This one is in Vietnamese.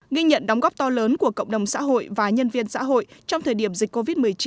nghi nhận đóng góp to lớn của cộng đồng xã hội và nhân viên xã hội trong thời điểm dịch covid một mươi chín